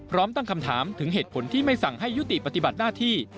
ตั้งคำถามถึงเหตุผลที่ไม่สั่งให้ยุติปฏิบัติหน้าที่